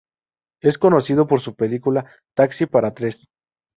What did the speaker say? Es conocido por su película Taxi para tres.